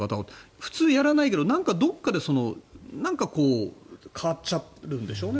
普通はやらないけどどこかで変わっちゃうんでしょうね。